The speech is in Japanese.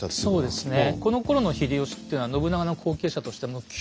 そうです。